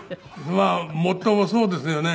もっともそうですよね。